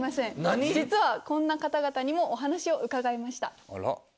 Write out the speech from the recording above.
何⁉こんな方々にもお話を伺いました。